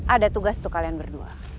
ada tugas untuk kalian berdua